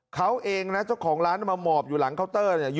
เขาเองนะเจ้าของร้านมาหมอบอยู่หลังเคาน์เตอร์เนี่ย